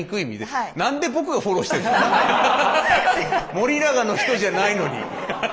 森永の人じゃないのに。